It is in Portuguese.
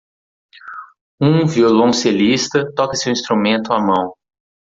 Um violoncelista toca seu instrumento à mão.